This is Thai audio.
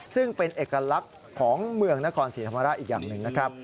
ซึ่งเป็นเอกลักษณ์ของเมืองนครศรีธรรมราชอีกอย่างหนึ่งนะครับ